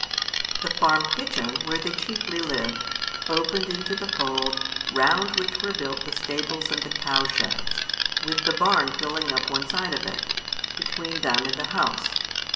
[Illustration: THE TWO WERE NEVER APART] The farm kitchen, where they chiefly lived, opened into the fold, round which were built the stables and the cow sheds, with the barn filling up one side of it, between them and the house.